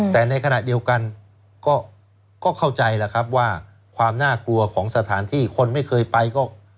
แต่ในขณะเดียวกันก็เข้าใจแหละครับว่าความน่ากลัวของสถานที่คนไม่เคยไปก็